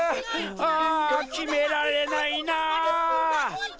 ああきめられないな。